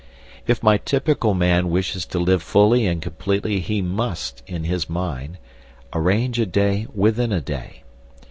If my typical man wishes to live fully and completely he must, in his mind, arrange a day within a day.